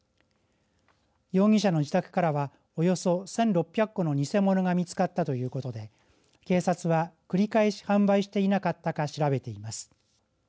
容疑者の自宅からはおよそ１６００個の偽物が見つかったということで警察は、繰り返し販売していなかったか調べています。